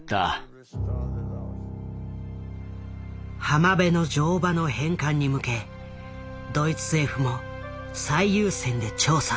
「浜辺の乗馬」の返還に向けドイツ政府も最優先で調査。